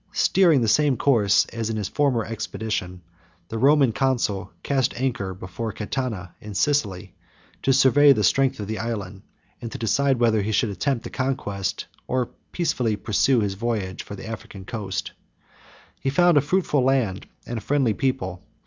Steering the same course as in his former expedition, the Roman consul cast anchor before Catana in Sicily, to survey the strength of the island, and to decide whether he should attempt the conquest, or peaceably pursue his voyage for the African coast. He found a fruitful land and a friendly people.